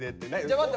待って。